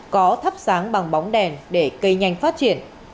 có thắp sáng bằng bóng đèn để cây nhanh phát triển